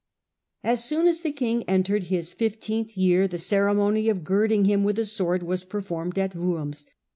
As soon as the king entered his fifteenth year the ceremony of girding him with a sword was performed Henry 17.